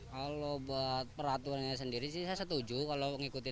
kalau buat peraturan sendiri sih saya setuju